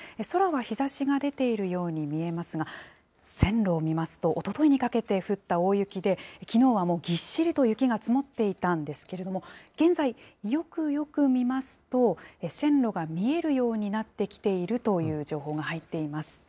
空は日ざしが出ているように見えますが、線路を見ますと、おとといにかけて降った大雪で、きのうはもうぎっしりと雪が積もっていたんですけれども、現在、よくよく見ますと、線路が見えるようになってきているという情報が入っています。